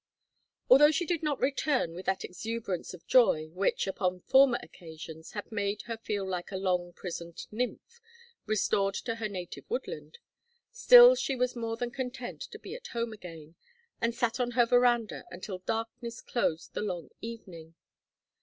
Although she did not return with that exuberance of joy, which, upon former occasions had made her feel like a long prisoned nymph restored to her native woodland, still she was more than content to be at home again, and sat on her veranda until darkness closed the long evening.